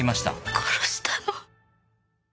「殺したの？」